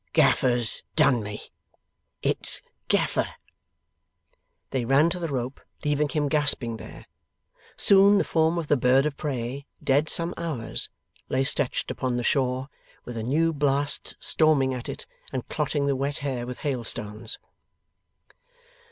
'Gaffer's done me. It's Gaffer!' They ran to the rope, leaving him gasping there. Soon, the form of the bird of prey, dead some hours, lay stretched upon the shore, with a new blast storming at it and clotting the wet hair with hail stones.